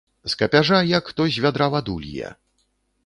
З капяжа як хто з вядра ваду лье.